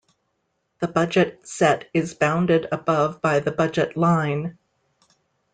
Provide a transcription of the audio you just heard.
The budget set is bounded above by the budget line.